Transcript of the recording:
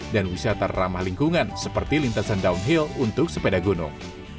dan wisata ramah lingkungan seperti lintasan downhill untuk sepeda gunung